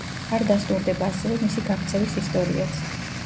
არ დასტურდება ასევე მისი გაქცევის ისტორიაც.